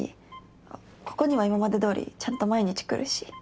あっここには今までどおりちゃんと毎日来るし。